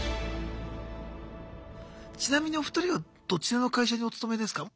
ちなみにお二人はどちらの会社にお勤めですか？